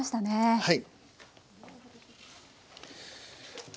はい。